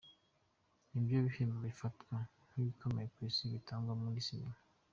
ni byo bihembo bifatwa nk’ibikomeye ku isi bitangwa muri Sinema.